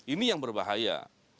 ini yang berbahaya